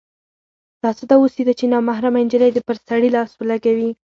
دا څه دوسي ده چې نامحرمه نجلۍ دې پر سړي لاس ولګوي.